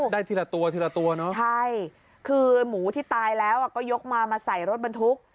ทีละตัวทีละตัวเนอะใช่คือหมูที่ตายแล้วก็ยกมามาใส่รถบรรทุก